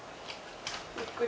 ゆっくり。